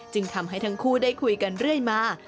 ทำให้ทั้งคู่ได้คุยกันเรื่อยมา